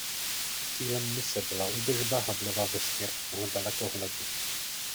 Cílem mise byla údržba Hubbleova vesmírného dalekohledu.